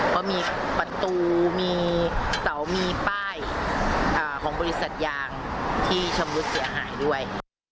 เพราะมีประตูมีเสามีป้ายของบริษัทยางที่ชำรุดเสียหายด้วย